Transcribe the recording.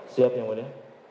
siap yang boleh